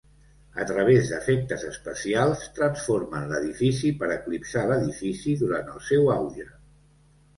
A través d'efectes especials, transformen l'edifici per eclipsar l'edifici durant el seu auge.